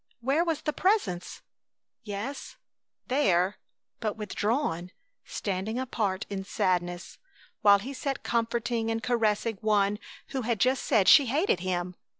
Where was the Presence? Yes there but withdrawn, standing apart in sadness, while he sat comforting and caressing one who had just said she hated Him!